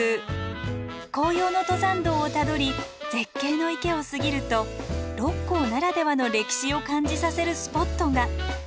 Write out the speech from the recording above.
紅葉の登山道をたどり絶景の池を過ぎると六甲ならではの歴史を感じさせるスポットが。